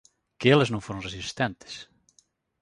Que elas non foron resistentes?